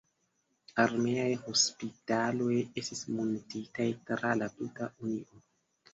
Armeaj hospitaloj estis muntitaj tra la tuta Unio.